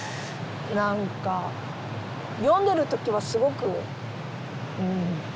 何か読んでる時はすごくうん。